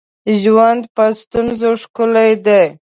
ژوند په ستونزو ښکلی دی